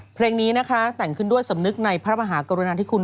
เพลงนี้นะคะแต่งขึ้นด้วยสำนึกในพระมหากรุณาธิคุณ